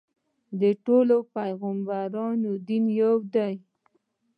د ټولو پیغمبرانو دین یو دی.